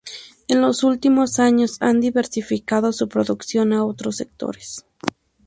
En los últimos años ha diversificado su producción a otros sectores.